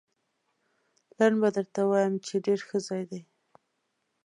لنډ به درته ووایم، چې ډېر ښه ځای دی.